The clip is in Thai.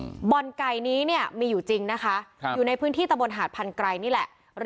บ่อนไก่นี้เนี้ยมีอยู่จริงนะคะครับอยู่ในพื้นที่ตะบนหาดพันไกรนี่แหละ